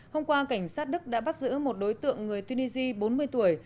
hôm qua cảnh sát đức đã bắt giữ một đối tượng người tunisia bốn mươi tuổi